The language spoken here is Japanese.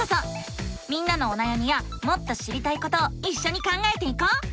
みんなのおなやみやもっと知りたいことをいっしょに考えていこう！